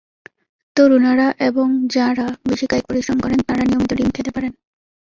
তরুণেরা এবং যাঁরা বেশি কায়িক পরিশ্রম করেন, তাঁরা নিয়মিত ডিম খেতে পারেন।